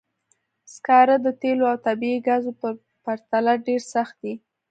سکاره د تېلو او طبیعي ګازو په پرتله ډېر سخت دي.